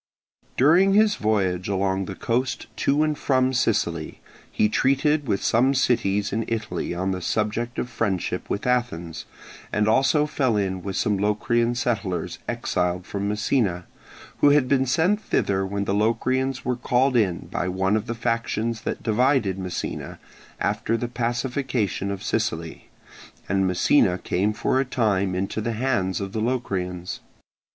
During his voyage along the coast to and from Sicily, he treated with some cities in Italy on the subject of friendship with Athens, and also fell in with some Locrian settlers exiled from Messina, who had been sent thither when the Locrians were called in by one of the factions that divided Messina after the pacification of Sicily, and Messina came for a time into the hands of the Locrians.